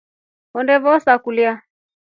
Honde vose kulya.